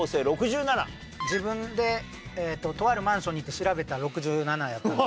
自分でとあるマンションに行って調べたら６７やったので。